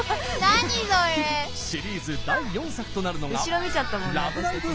シリーズ第４作となるのが「ラブライブ！